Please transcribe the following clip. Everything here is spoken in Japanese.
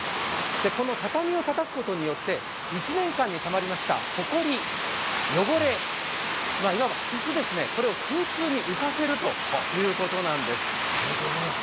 畳をたたくことによって一年間にたまりましたほこり、汚れ、いわばすすをこれを空中に浮かせるということですね。